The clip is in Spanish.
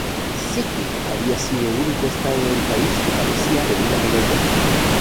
Sikkim había sido el único estado del país que carecía de un aeropuerto.